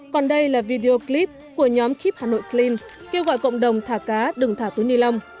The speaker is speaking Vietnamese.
còn đây là video clip của nhóm keep hà nội clean kêu gọi cộng đồng thả cá đừng thả túi nilon